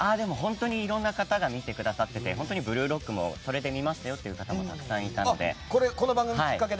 いろいろな方が見てくださっていて本当に「ブルーロック」もこれで見ましたよという方もこの番組きっかけで？